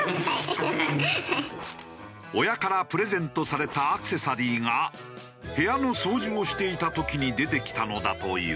親からプレゼントされたアクセサリーが部屋の掃除をしていた時に出てきたのだという。